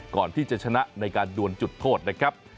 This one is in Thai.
ก่อนที่จะชนะในการดวนจุดโทษนะครับ